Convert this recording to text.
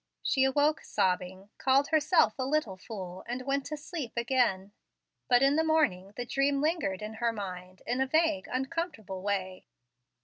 She awoke sobbing, called herself a "little fool," and went to sleep again. But in the morning the dream lingered in her mind in a vague, uncomfortable way.